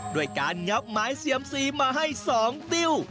ด้วยการงับหมายเซียมซีมาให้๒ติ้ว